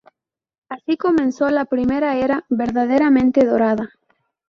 Así comenzó la primera era verdaderamente dorada.